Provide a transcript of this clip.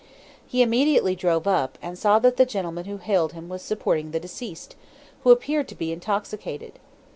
He immediately drove up, and saw that the gentleman who hailed him was supporting the deceased, who appeared to be intoxicated.